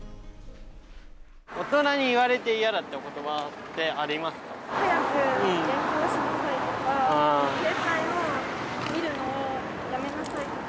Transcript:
大人に言われて嫌だったこと早く勉強しなさいとか、携帯を見るのをやめなさいとか。